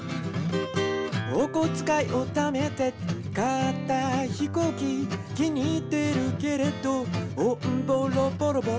「おこづかいをためて買ったひこうき」「気に入ってるけれどオンボロボロボロ！」